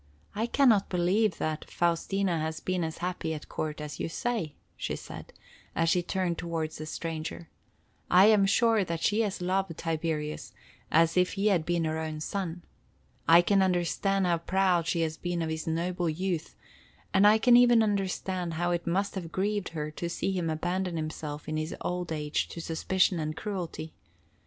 "I can not believe that Faustina has been as happy at court as you say," she said, as she turned toward the stranger. "I am sure that she has loved Tiberius as if he had been her own son. I can understand how proud she has been of his noble youth, and I can even understand how it must have grieved her to see him abandon himself in his old age to suspicion and cruelty.